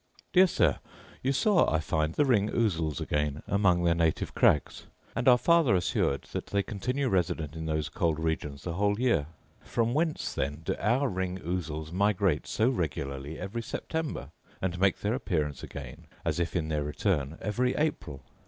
Dear Sir, You saw, I find, the ring ousels again among their native crags; and are farther assured that they continue resident in those cold regions the whole year. From whence, then, do our ring ousels migrate so regularly every September, and make their appearance again, as if in their return, every April?